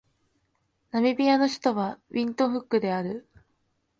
ナミビアの首都はウィントフックである